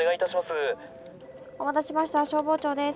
お待たせしました消防庁です。